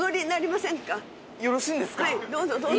はいどうぞどうぞ。